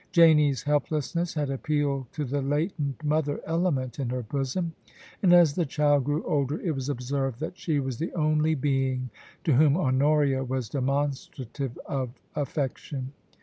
Janie's helplessness had appealed to the latent mother element in her bosom ; and as the child grew older, it was observed that she was the only being to whom Honoria was demonstrative of affection.